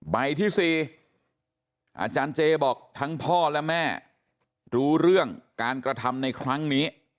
ใบที่๔อาจารย์เจบอกทั้งพ่อและแม่รู้เรื่องการกระทำในครั้งนี้